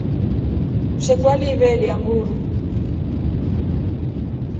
Msheku aliveelya mburu.